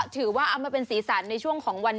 ถือว่าเอามาเป็นสีสันในช่วงของวัน